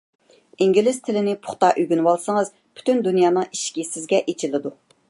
ئىنگلىز تىلىنى پۇختا ئۆگىنىۋالسىڭىز، پۈتۈن دۇنيانىڭ ئىشىكى سىزگە ئېچىلىدۇ.